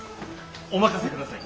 お任せください。